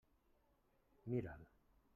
Mira'l.